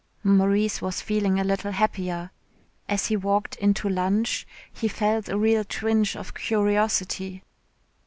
Maurice was feeling a little happier. As he walked into lunch he felt a real twinge of curiosity.